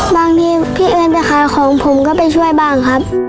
บางทีพี่เอิญไปขายของผมก็ไปช่วยบ้างครับ